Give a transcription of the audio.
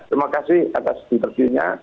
terima kasih atas interview nya